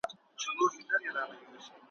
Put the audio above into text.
ناسیاله دی که سیال دی زموږ انګړ یې دی نیولی ,